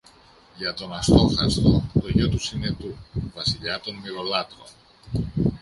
για τον Αστόχαστο, το γιο του Συνετού, Βασιλιά των Μοιρολάτρων.